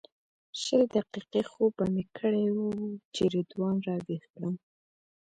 شل دقیقې خوب به مې کړی وي چې رضوان راویښ کړم.